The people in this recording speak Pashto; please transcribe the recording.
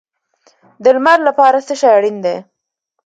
د لمر لپاره څه شی اړین دی؟